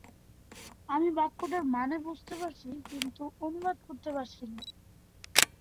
আমি বাক্যটার মানে বুঝতে পারছি, কিন্তু অনুবাদ করতে পারছি না।